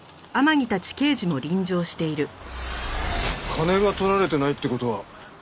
金が取られてないって事は通り魔か。